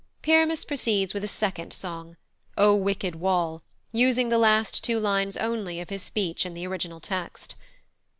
Pyramus proceeds with a second song, "O wicked wall," using the last two lines only of his speech in the original text.